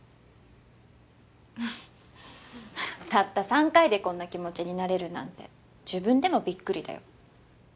たった３回でこんな気持ちになれるなんて自分でもびっくりだよ。